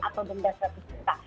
atau benda serta serta